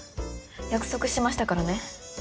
約束しましたからね。